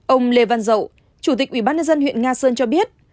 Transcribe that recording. ông lê văn dậu chủ tịch ubnd huyện nga sơn cho biết